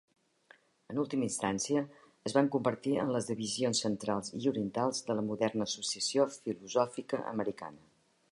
En última instància, es van convertir en les divisions centrals i orientals de la moderna Associació filosòfica americana.